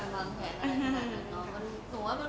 หนูว่ามันคงไม่ได้มีการวางแผนอะไรที่สุดนะ